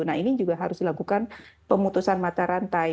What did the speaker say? nah ini juga harus dilakukan pemutusan mata rantai